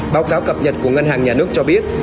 báo cáo cập nhật của ngân hàng nhà nước cho biết